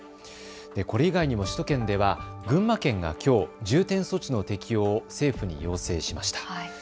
これ以外にも首都圏では群馬県がきょう、重点措置の適用を政府に要請しました。